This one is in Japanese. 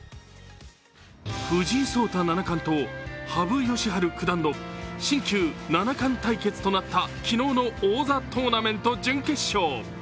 藤井聡太七冠と羽生善治九段の新旧七冠対決となった昨日の王座トーナメント準決勝。